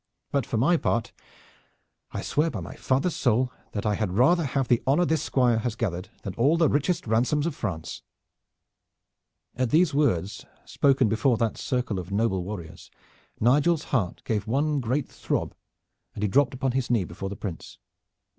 But for my part I swear by my father's soul that I had rather have the honor this Squire has gathered than all the richest ransoms of France." At these words spoken before that circle of noble warriors Nigel's heart gave one great throb, and he dropped upon his knee before the Prince.